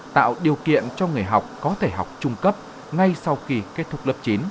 tạo điều kiện cho người học có thể học trung cấp ngay sau khi kết thúc lớp chín